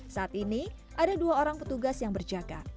saat ini ada dua orang petugas yang berjaga